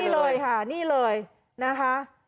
นี่เลยค่ะนี่เลยนะคะ